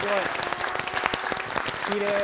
きれい。